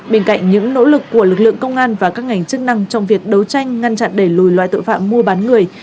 bên cạnh những nỗ lực của lực lượng công an và các ngành chức năng trong việc đấu tranh ngăn chặn đẩy lùi loại tội phạm mua bán người